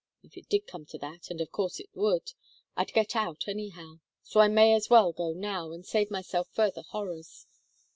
If it did come to that and of course it would I'd get out anyhow, so I may as well go now and save myself further horrors.